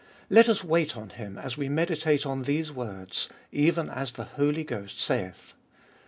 Let us wait on Him as we meditate on these words, Even as the Holy Ghost saith.